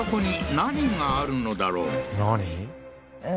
何？